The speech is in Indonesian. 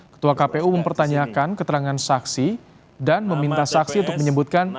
ketua kpu mempertanyakan keterangan saksi dan meminta saksi untuk menyebutkan